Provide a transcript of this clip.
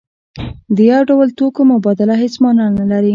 د یو ډول توکو مبادله هیڅ مانا نلري.